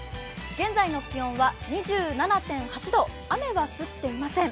現在の気温は２７．８度、雨は降っていません。